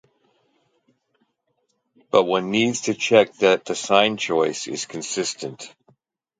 But one needs to check that the sign choice is consistent.